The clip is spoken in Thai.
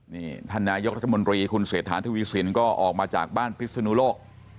นี่ท่านนายกรัฐมนตรีคุณเศรษฐาทวีสินก็ออกมาจากบ้านพิศนุโลก